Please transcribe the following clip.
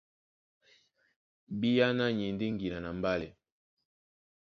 Bíáná ni e ndé ŋgila a mbálɛ.